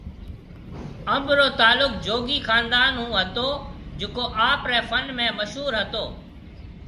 انب رو تعلق جوگي خاندان ھونھتو جڪو آپري فن ۾ مشھور ھتو